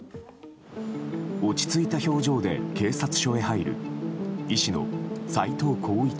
落ち着いた表情で警察署へ入る医師の斎藤浩一